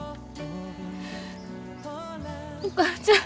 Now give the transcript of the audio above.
お母ちゃん！